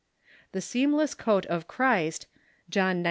The seamless coat of Christ (John xix.